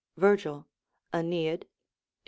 Virgil, AEneid, xi.